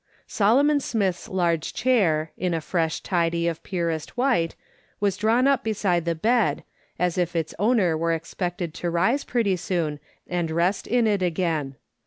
Solomon Smith's large chair, in a fresh tidy of piirest white, was drawn up beside the bed, as if its owner were expected to rise pretty soon and rest in it again.